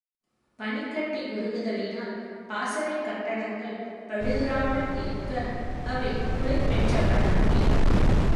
பனிக்கட்டி உருகுதலினால் பாசறைக்கட்டடங்கள் பழுதுறாமல் இருக்க, அவை குளிர் பெற்ற வண்ணம் இருக்கும்.